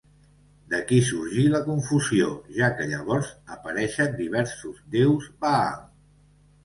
D'aquí sorgí la confusió, ja que llavors apareixen diversos déus Baal.